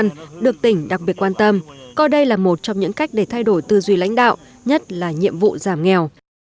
nhưng được tỉnh đặc biệt quan tâm coi đây là một trong những cách để thay đổi tư duy lãnh đạo nhất là nhiệm vụ giảm nghèo